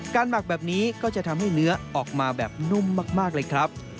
หมักแบบนี้ก็จะทำให้เนื้อออกมาแบบนุ่มมากเลยครับ